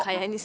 kayak ini sih